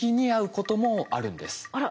あら？